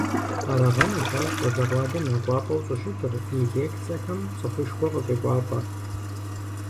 Арагъэнущ ар щӀалэгъуалэм я кӀуапӀэу щӀыщытыр, и лекцэхэм цӀыхушхуэ къыщӀекӀуалӀэр.